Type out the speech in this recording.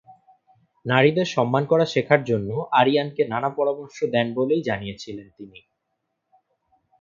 নারীদের সম্মান করা শেখার জন্য আরিয়ানকে নানা পরামর্শ দেন বলেই জানিয়েছিলেন তিনি।